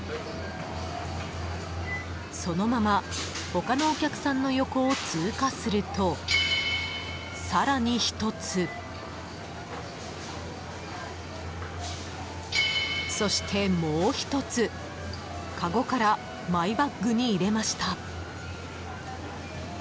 そのまま他のお客さんの横を通過すると更に１つ、そしてもう１つかごからマイバッグに入れました。